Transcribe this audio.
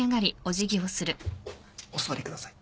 お座りください。